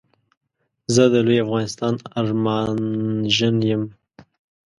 زه د لوي افغانستان ارمانژن يم